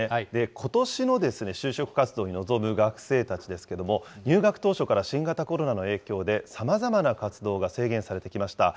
ことしの就職活動に臨む学生たちですけども、入学当初から新型コロナの影響で、さまざまな活動が制限されてきました。